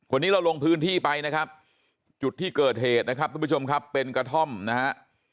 วันนี้เราลงพื้นที่ไปนะครับจุดที่เกิดเหตุนะครับทุกผู้ชมครับเป็นกระท่อมนะฮะ